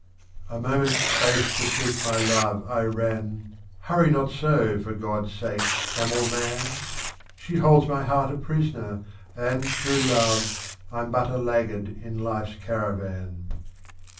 18. A Moment's space to seek my Love I ran, â€" Hurry not so, for God's sake. Camel man ! â€" She holds my Heart a Prisoner, and through Love, I'm but a Laggard in Life's Caravan.